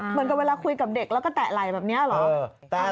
เหมือนกับเวลาคุยกับเด็กแล้วก็แตะไหล่แบบนี้เหรอ